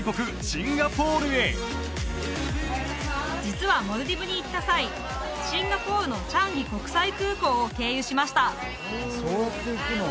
シンガポールへ実はモルディブに行った際シンガポールのチャンギ国際空港を経由しました